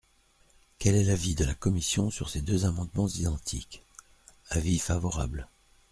Quel est l’avis de la commission sur ces deux amendements identiques ? Avis favorable.